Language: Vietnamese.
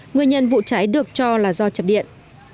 nguyên nhân vụ cháy được cho là do chập điện